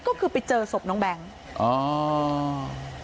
ก็คือไปเจอศพน้องแบงค์อ๋อ